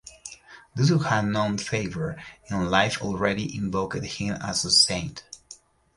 Those who had known Faber in life already invoked him as a saint.